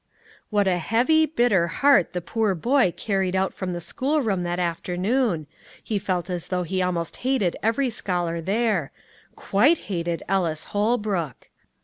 What a heavy, bitter heart the poor boy carried out from the schoolroom that afternoon, he felt as though he almost hated every scholar there, quite hated Ellis Holbrook.